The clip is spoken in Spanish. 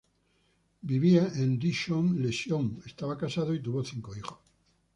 Vivía en Rishon LeZion, estaba casado y tuvo cinco hijos.